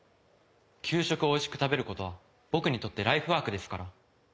給食をおいしく食べる事は僕にとってライフワークですから。